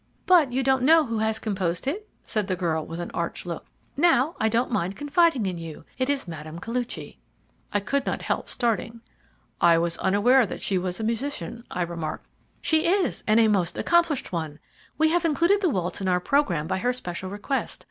"But you don't know who has composed it?" said the girl, with an arch look. "Now, I don't mind confiding in you it is Mme. Koluchy." I could not help starting. "I was unaware that she was a musician," I remarked. "She is, and a most accomplished one. We have included the waltz in our programme by her special request.